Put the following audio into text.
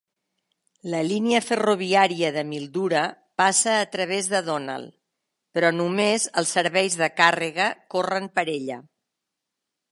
La línia ferroviària de Mildura passa a través de Donald, però només els serveis de càrrega corren per ella.